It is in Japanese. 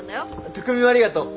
匠もありがとう。